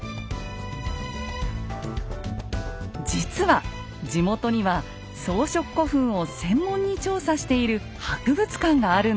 実は地元には装飾古墳を専門に調査している博物館があるんです。